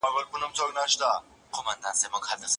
کله چي به ولاړ سو، بيرته به ئې لمسۍ غيږي ته راپورته کړه.